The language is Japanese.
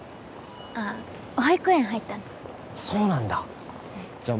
あ保育園入ったのそうなんだじゃあ